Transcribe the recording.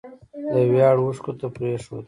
د ویاړ اوښکو ته پرېښود